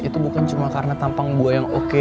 itu bukan cuma karena tampang buaya yang oke